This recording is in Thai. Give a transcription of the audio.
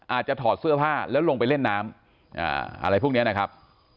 ถอดเสื้อผ้าแล้วลงไปเล่นน้ำอะไรพวกนี้นะครับ